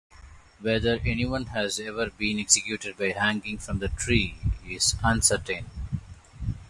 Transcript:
Whether anyone has ever been executed by hanging from the tree is uncertain.